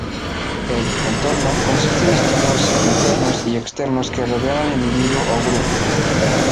El "entorno" consiste en estímulos internos y externos que rodean al individuo o grupo.